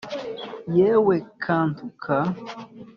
yewe kantuka